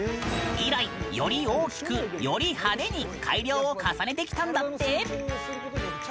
以来より大きくより派手に改良を重ねてきたんだって。